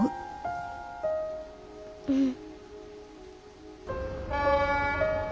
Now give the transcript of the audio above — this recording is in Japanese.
うん。